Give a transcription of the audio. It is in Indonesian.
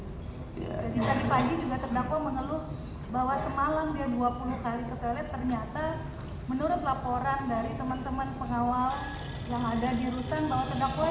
jadi tadi pagi juga terdakwa mengeluh bahwa semalam dia dua puluh kali ke toilet ternyata menurut laporan dari teman teman pengawal yang ada di rutan bahwa terdakwa seperti saya sampaikan tadi hanya dua kali ke toilet